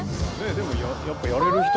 でもやっぱやれる人のおお！